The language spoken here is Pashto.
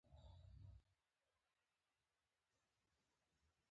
د نیالګي کینولو وخت کله دی؟